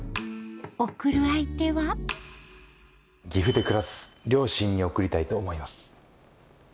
おくる相手は岐阜で暮らす両親におくりたいと思います。